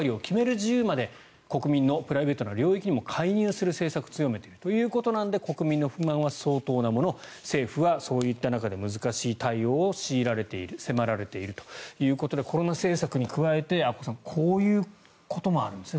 自由まで国民のプライベートな領域にも介入する政策を強めているので国民の不満は相当なもの政府はそういった中で難しい対応を強いられている迫られているということでコロナ政策に加えてこういうこともあるんですね